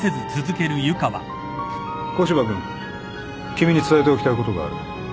古芝君君に伝えておきたいことがある。